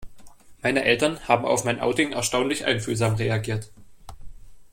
Meine Eltern haben auf mein Outing erstaunlich einfühlsam reagiert.